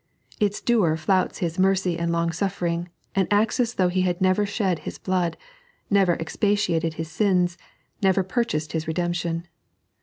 Its doer flouts His mercy and long suffering, and acts as though He had never shed His blood, never expiated his sins, never pmvhased his redemption.